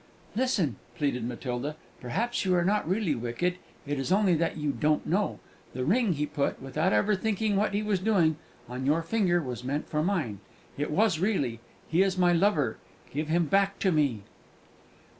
"Listen," pleaded Matilda; "perhaps you are not really wicked, it is only that you don't know! The ring he put without ever thinking what he was doing on your finger was meant for mine. It was, really! He is my lover; give him back to me!"